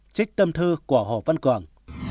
trích tâm thư của hồ văn cường